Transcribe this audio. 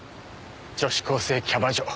女子高生キャバ嬢。